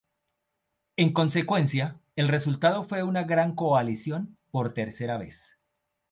En consecuencia, el resultado fue una gran coalición por tercera vez.